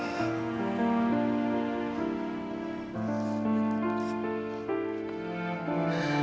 kamu adalah anak papa